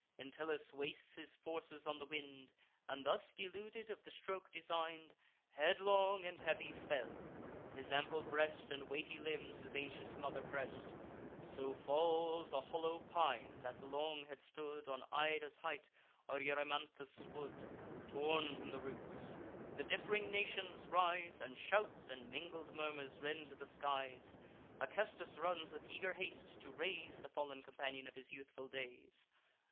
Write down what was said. Entellus wastes his forces on the wind, And, thus deluded of the stroke design'd, Headlong and heavy fell; his ample breast And weighty limbs his ancient mother press'd. So falls a hollow pine, that long had stood On Ida's height, or Erymanthus' wood, Torn from the roots. The diff'ring nations rise, And shouts and mingled murmurs rend the skies, Acestus runs with eager haste, to raise The fall'n companion of his youthful days.